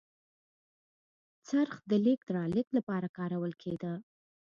څرخ د لېږد رالېږد لپاره کارول کېده.